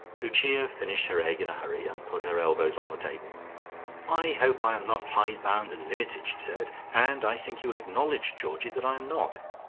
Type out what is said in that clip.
Lucia finished her egg in a hurry, and put her elbows on the table. "I hope I am not hide bound and limited," she said, "and I think you will acknowledge, Georgie, that I am not.